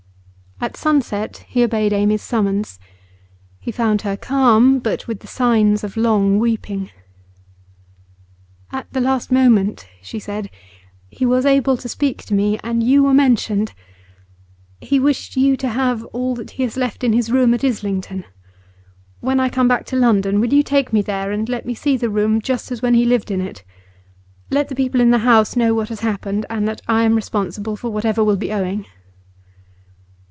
At sunset he obeyed Amy's summons. He found her calm, but with the signs of long weeping. 'At the last moment,' she said, 'he was able to speak to me, and you were mentioned. He wished you to have all that he has left in his room at Islington. When I come back to London, will you take me there and let me see the room just as when he lived in it? Let the people in the house know what has happened, and that I am responsible for whatever will be owing.